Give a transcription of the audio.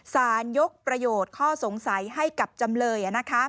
สารยกประโยชน์ข้อสงสัยให้กับจำเลย